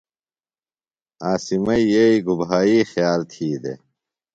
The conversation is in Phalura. عاصمئی یئییۡ گُبھائی خیال تھی دےۡ؟